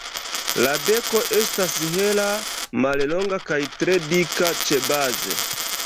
La beko estas hela, mallonga kaj tre dika ĉebaze.